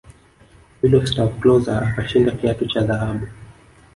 miloslav klose akashinda kiatu cha dhahabu